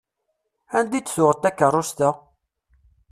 Anda i d-tuɣeḍ takerrust-a?